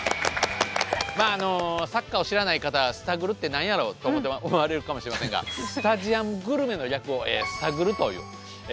まああのサッカーを知らない方はスタグルって何やろうと思われるかもしれませんがスタジアムグルメの略をスタグルと言っております。